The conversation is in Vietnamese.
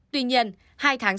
tuy nhiên hai tháng